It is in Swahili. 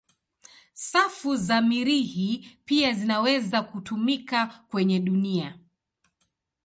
Safu za Mirihi pia zinaweza kutumika kwenye dunia.